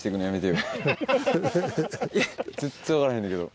全然分からへんのやけど。